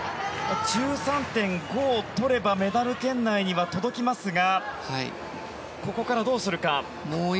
１３．５を取ればメダル圏内には届きますがここからどうするか。